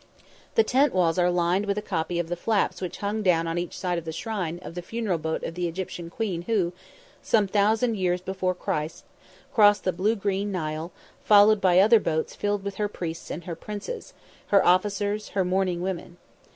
The tent walls are lined with a copy of the flaps which hung down on each side of the shrine of the funeral boat of the Egyptian queen who, some thousand years before Christ, crossed the blue green Nile, followed by other boats filled with her priests and princes, her officers, her mourning women.